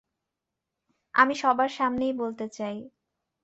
আমি সবার সামনেই বলতে চাই।